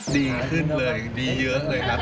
ดีขึ้นเลยดีเยอะเลยครับ